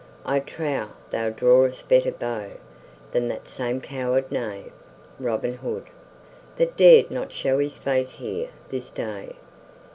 I trow thou drawest better bow than that same coward knave Robin Hood, that dared not show his face here this day.